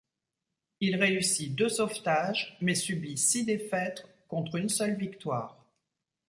Il réussit deux sauvetages, mais subit six défaites contre une seule victoire.